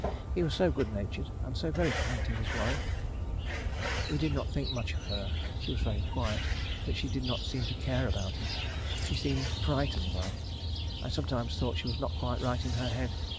He was so good natured and so very kind to his wife. We did not think so much of her. She was very quiet, but she did not seem to care about him. She seemed frightened like. I sometimes thought she was not quite right in her head.